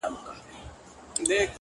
په دې خپه يم چي له نومه چي پېغور غورځي!!